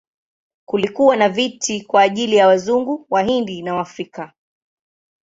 Kulikuwa na viti kwa ajili ya Wazungu, Wahindi na Waafrika.